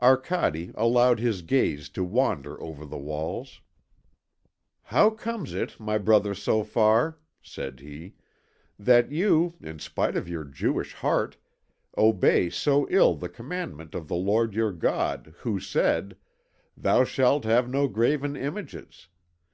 Arcade allowed his gaze to wander over the walls. "How comes it, my brother Sophar," said he, "that you, in spite of your Jewish heart, obey so ill the commandment of the Lord your God who said: 'Thou shalt have no graven images'?